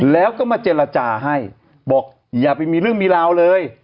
แล้วก็มาเจรจาให้บอกอย่าไปมีเรื่องมีราวเลย